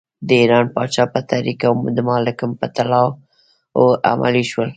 د ایران پاچا په تحریک او د مالکم په طلاوو عملی شول.